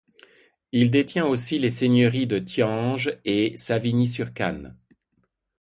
Il détient aussi les seigneuries de Thianges et Savigny-sur-Canne.